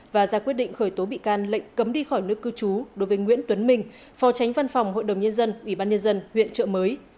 và ra quyết định khởi tố bị can lệnh cấm đi khỏi nước cư trú đối với nguyễn tuấn minh phò tránh văn phòng hội đồng nhân dân ủy ban nhân dân huyện trợ mới